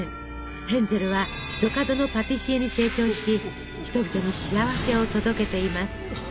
ヘンゼルはひとかどのパティシエに成長し人々に幸せを届けています。